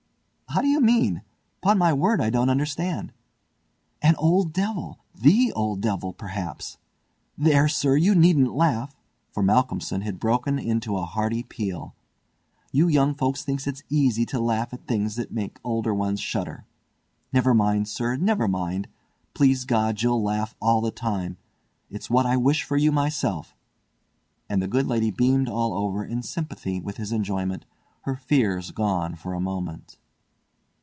"How do you mean? Pon my word I don't understand." "An old devil! The old devil, perhaps. There! sir, you needn't laugh," for Malcolmson had broken into a hearty peal. "You young folks thinks it easy to laugh at things that makes older ones shudder. Never mind, sir! never mind! Please God, you'll laugh all the time. It's what I wish you myself!" and the good lady beamed all over in sympathy with his enjoyment, her fears gone for a moment.